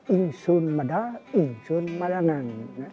insun medal insun larangan